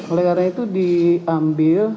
oleh karena itu diambil